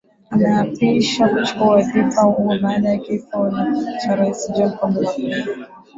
Ameapishwa kuchukua wadhifa huo baada ya kifo cha Rais John Pombe Magufuli